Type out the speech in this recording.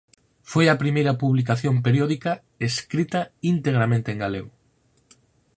Foi a primeira publicación periódica escrita integramente en galego.